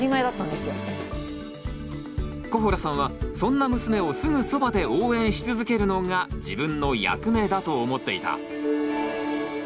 コホラさんはそんな娘をすぐそばで応援し続けるのが自分の役目だと思っていた。